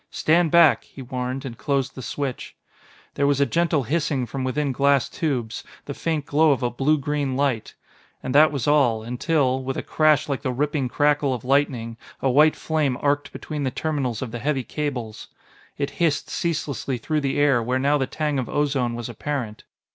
"Stand back," he warned, and closed the switch. There was a gentle hissing from within glass tubes, the faint glow of a blue green light. And that was all, until with a crash like the ripping crackle of lightning, a white flame arced between the terminals of the heavy cables. It hissed ceaselessly through the air where now the tang of ozone was apparent.